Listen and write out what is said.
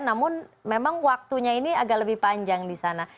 namun memang waktunya ini agak lebih panjang di sana